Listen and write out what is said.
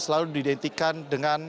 selalu didentikan dengan